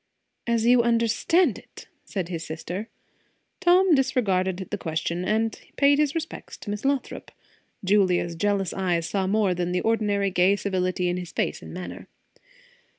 "As you understand it!" said his sister. Tom disregarded the question, and paid his respects to Miss Lothrop. Julia's jealous eyes saw more than the ordinary gay civility in his face and manner.